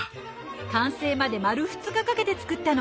完成まで丸２日かけて作ったの。